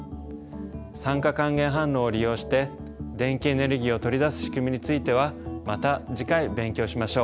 酸化還元反応を利用して電気エネルギーを取り出す仕組みについてはまた次回勉強しましょう。